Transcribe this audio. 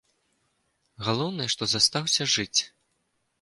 Галоўнае, што застаўся жыць.